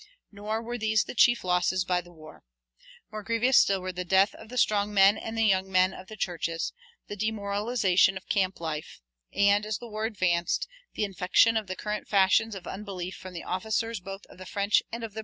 Nor were these the chief losses by the war. More grievous still were the death of the strong men and the young men of the churches, the demoralization of camp life, and, as the war advanced, the infection of the current fashions of unbelief from the officers both of the French and of the British armies.